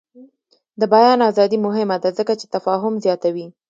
د بیان ازادي مهمه ده ځکه چې تفاهم زیاتوي.